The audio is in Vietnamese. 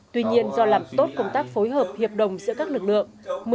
tuy nhiên do làm tốt công tác phối hợp hiệp đồng giữa các lực lượng